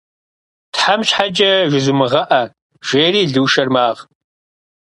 Тхьэм щхьэкӏэ, жызумыгъэӏэ!- жери Лушэр магъ.